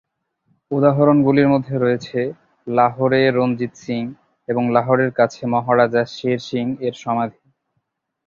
উদাহরণগুলির মধ্যে রয়েছে লাহোরে রঞ্জিত সিং এবং লাহোরের কাছে মহারাজা শের সিং-এর সমাধি।